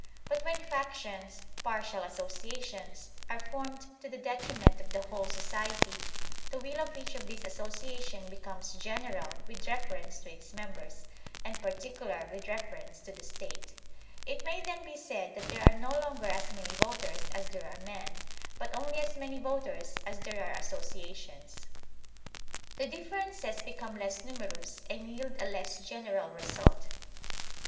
But when factions, partial associations, are formed to the detriment of the whole society, the will of each of these associations becomes general with reference to its members, and particular with reference to the State; it may then be said that there are no longer as many voters as there are men, but only as many voters as there are associations. The differences become less numerous and 3rield a less general result.